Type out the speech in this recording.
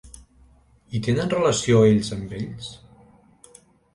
I tenen relació, ells amb ells?